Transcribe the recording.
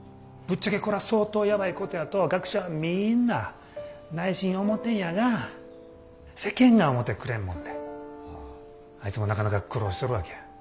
ぶっちゃけこら相当やばいことやとは学者はみんな内心思てんやが世間が思てくれんもんであいつもなかなか苦労しとるわけや。